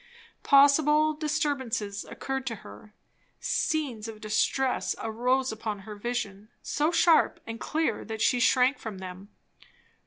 Possible disturbances occurred to her; scenes of distress arose upon her vision, so sharp and clear that she shrank from them.